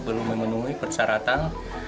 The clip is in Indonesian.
belum memenuhi persyaratan